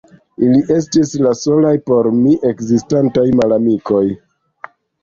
Ili estis la solaj por mi ekzistantaj malamikoj.